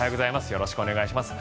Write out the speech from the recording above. よろしくお願いします。